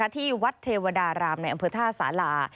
ที่วัดเทวดารามในอำเภอท่าสารา